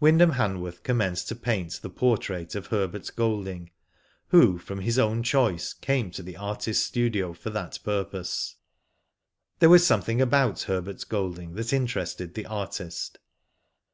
Wyndham Han worth commenced to paint the portrait of Herbert Golding, who from his own choice came to the artist's studio for that pur pose. There was something about Herbert Golding that interested the artist.